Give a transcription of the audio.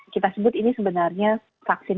kita sebut ini sebenarnya vaksin